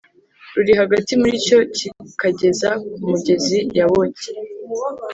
ruri hagati muri cyo kikageza ku mugezi Yaboki